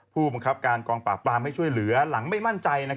ผู้บังคับการกองปราบปรามให้ช่วยเหลือหลังไม่มั่นใจ